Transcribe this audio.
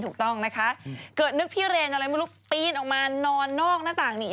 ถูกต้องนะคะเกิดนึกพิเรนอะไรไม่รู้ปีนออกมานอนนอกหน้าต่างหนี